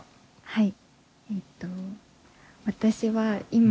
はい。